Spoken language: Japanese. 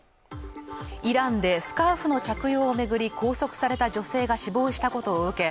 イランでスカーフの着用を巡り拘束された女性が死亡したことを受け